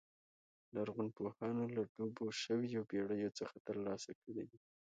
لرغونپوهانو له ډوبو شویو بېړیو څخه ترلاسه کړي دي